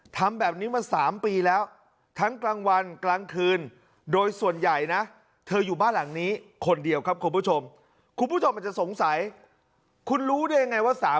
ทำแบบนี้ว่าสามปีแล้วทั้งกลางวันกลางคืน